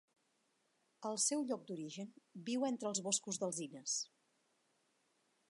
Al seu lloc d'origen viu entre els boscos d'alzines.